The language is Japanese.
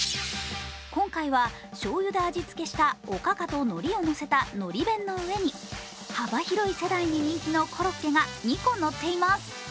今回はしょうゆで味付けしたおかかとのりをのせたのり弁の上に幅広い世代に人気のコロッケが２個のっています。